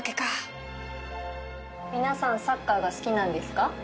皆さんサッカーが好きなんですか？